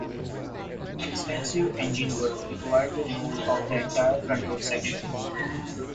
Extensive engine work required the removal of the entire front hood section.